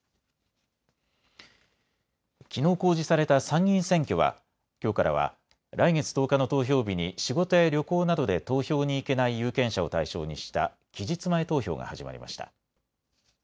きのう公示された参議院選挙はきょうからは来月１０日の投票日に仕事や旅行などで投票に行けない有権者を対象にした期日前投票が始まりました。